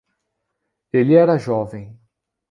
Ele era jovem